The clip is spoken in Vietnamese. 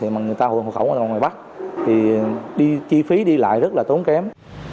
mà người ta hưởng hộ khẩu ở ngoài bắc thì chi phí đi lại rất là tốn kém